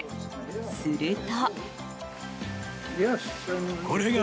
すると。